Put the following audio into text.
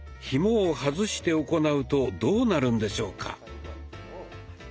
ひもを外して行うとどうなるんでしょうか？